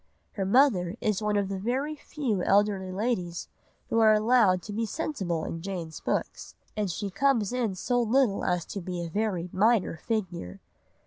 Her mother is one of the very few elderly ladies who are allowed to be sensible in Jane's books, and she comes in so little as to be a very minor figure.